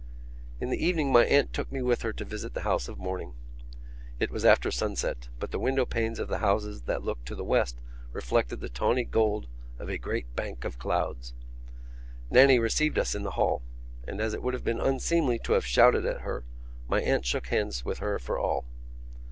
In the evening my aunt took me with her to visit the house of mourning. It was after sunset; but the window panes of the houses that looked to the west reflected the tawny gold of a great bank of clouds. Nannie received us in the hall; and, as it would have been unseemly to have shouted at her, my aunt shook hands with her for all.